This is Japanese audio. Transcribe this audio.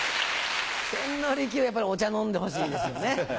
千利休はやっぱりお茶飲んでほしいですよね。